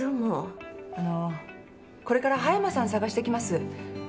あのこれから葉山さん捜してきます。